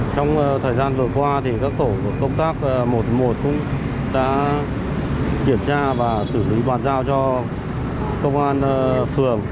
trong thời gian vừa qua thì các tổ của công tác một một cũng đã kiểm tra và xử lý bàn giao cho công an phường